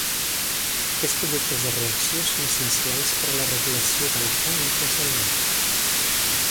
Aquests productes de reacció són essencials per a la regulació del Ca intracel·lular.